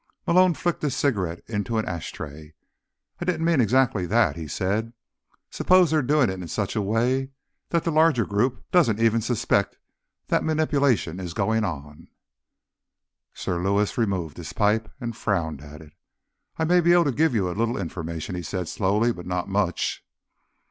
Malone flicked his cigarette into an ashtray. "I didn't mean exactly that," he said. "Suppose they're doing it in such a way that the larger group doesn't even suspect that manipulation is going on?" Sir Lewis removed his pipe and frowned at it. "I may be able to give you a little information," he said slowly, "but not much."